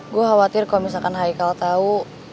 gue khawatir kalau misalkan haikal tahu